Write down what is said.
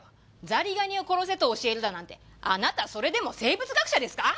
ザリガニを殺せと教えるだなんてあなたそれでも生物学者ですか？